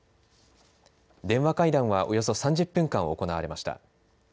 電話会談はおよそ３０分間行われました。